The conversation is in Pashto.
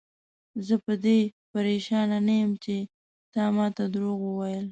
زه په دې پریشان نه یم چې تا ماته دروغ وویل.